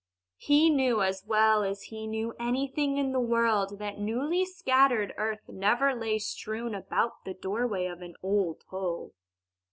He knew as well as he knew anything in the world that newly scattered earth never lay strewn about the doorway of an old hole.